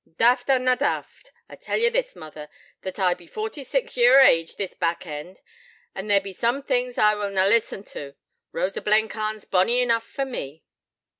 'Daft or na daft, I tell ye this, mother, that I be forty six year o' age this back end, and there be some things I will na listen to. Rosa Blencarn's bonny enough for me.'